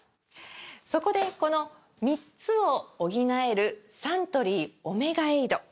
そこでこの３つを補えるサントリー「オメガエイド」！